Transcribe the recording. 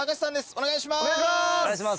お願いします。